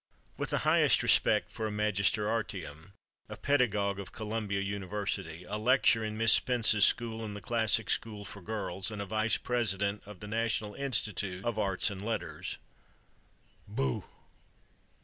With the highest respect for a Magister Artium, a pedagogue of Columbia University, a lecturer in Miss Spence's School and the Classical School for Girls, and a vice president of the National Institute of Arts and Letters—Booh!